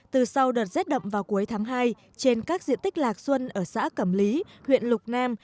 từ sau đợt rét đậm vào cuối tháng hai trên các diện tích lạc xuân ở xã cẩm lý huyện lục nam